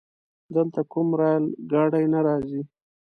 دلته کومه رايل ګاډی نه راځي؟